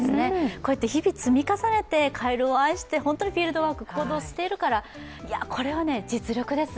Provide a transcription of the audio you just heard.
こうやって日々積み重ねてカエルを愛して本当にフィールドワーク、行動しているから、これは実力です。